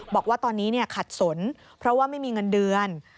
บอกว่าตอนนี้ขัดสนเพราะว่าไม่มีเงินเดือน